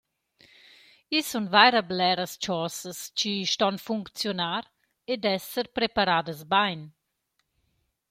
I sun vaira bleras chosas chi ston funcziunar ed esser preparadas bain.